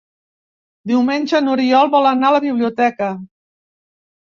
Diumenge n'Oriol vol anar a la biblioteca.